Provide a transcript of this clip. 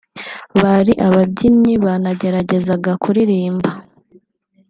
Bari ababyinnyi banageragezaga kuririmba